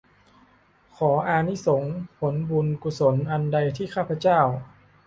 ขออานิสงส์ผลบุญกุศลอันใดที่ข้าพเจ้า